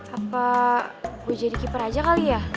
apa gue jadi keeper aja kali ya